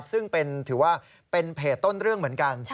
ซึ่งถือว่าเป็นเพจต้นเรื่องเหมือนกัน